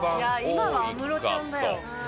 今は安室ちゃんだよ。